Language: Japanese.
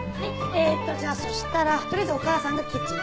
えーっとじゃあそしたらとりあえずお母さんがキッチン。